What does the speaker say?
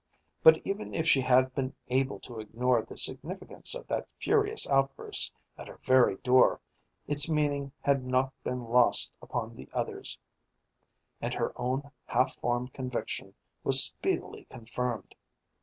But even if she had been able to ignore the significance of that furious outburst at her very door, its meaning had not been lost upon the others, and her own half formed conviction was speedily confirmed.